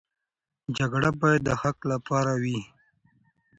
جګړه باید د حق لپاره وي.